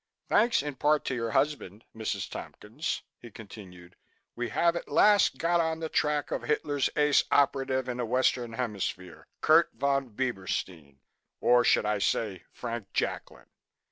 "Thanks in part to your husband, Mrs. Tompkins," he continued, "we have at last got on the track of Hitler's ace operative in the Western Hemisphere, Kurt Von Bieberstein, or should I say Frank Jacklin?